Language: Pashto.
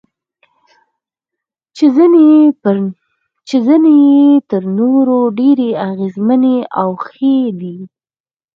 چې ځینې یې تر نورو ډېرې اغیزمنې او ښې دي.